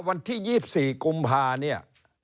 วันที่๒๔กุมภาพันธ์